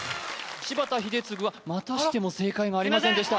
柴田英嗣はまたしても正解がありませんでした